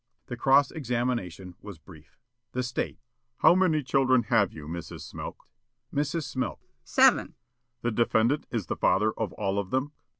The cross examination was brief. The State: "How many children have you, Mrs. Smilk?" Mrs. Smilk: "Seven." The State: "The defendant is the father of all of them?"